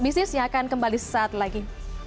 bisnisnya akan kembali sesaat lagi